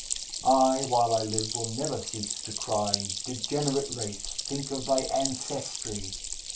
I, while I live, will never cease to cry: "Degenerate race, think of thy ancestry!